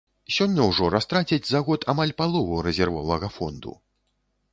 Сёння ўжо растрацяць за год амаль палову рэзервовага фонду.